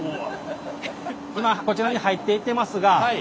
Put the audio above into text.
今こちらに入っていってますが。